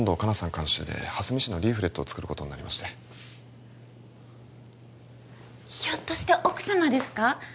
監修で蓮見市のリーフレットを作ることになりましてひょっとして奥様ですか？